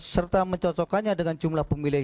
serta mencocokkannya dengan jumlah pemilih